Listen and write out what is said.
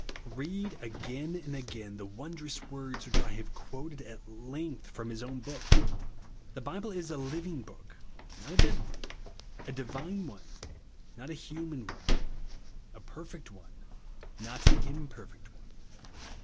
Bead again and again the wondrous v/ords which I have quoted at length from His o^vn book. The Bible is a living book, not a dead one ; a divine one, not a human one ; a perfect one, not an imperfect one.